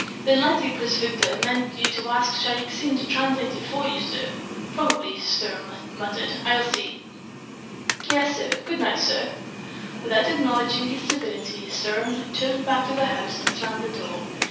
"Then likely Prince Victor meant you to ask Shaik Tsin to translate it for you, sir." "Probably," Sturm muttered. "I'll see." "Yes, sir. Good night, sir." Without acknowledging this civility, Sturm turned back into the house and slammed the door.